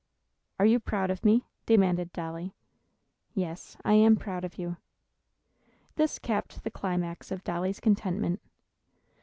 "Are you proud of me?" demanded Dolly. "Yes, I am proud of you." This capped the climax of Dolly's contentment.